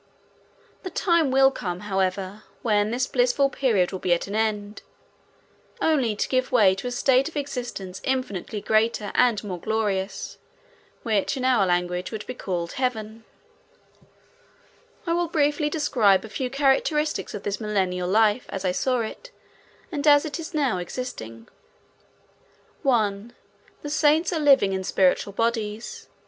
The time will come, however, when this blissful period will be at an end, only to give way to a state of existence infinitely greater and more glorious, which in our language would be called Heaven. [Illustration: Beginning of the Millennium.] I will briefly describe a few characteristics of this Millennial life as I saw it and as it is now existing. 1. The saints are living in spiritual bodies.